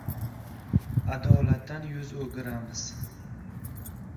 Adolatdan yuz o‘giramiz!